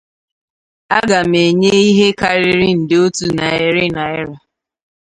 a ga m enye ihe karịrị nde otu narị naira